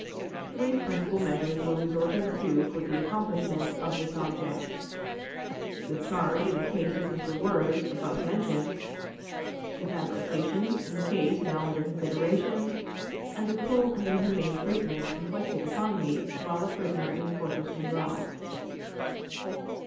Three principal measures were resorted to for the accomplishment of this object: the charge in the case of Wirz, above mentioned; the fabrications in the case now under consideration; and the cruel and inhuman treatment inflicted upon me while a prisoner in Fortress Monroe.